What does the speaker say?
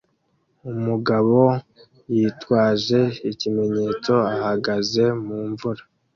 Umugabo yitwaje ikimenyetso ahagaze mu mvura